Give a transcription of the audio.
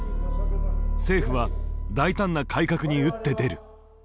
政府は大胆な改革に打って出る。